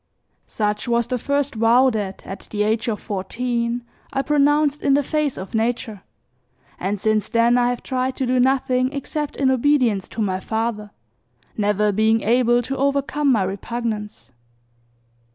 Such was the first vow that, at the age of fourteen, I pronounced in the face of nature, and since then I have tried to do nothing except in obedience to my father, never being able to overcome my repugnance.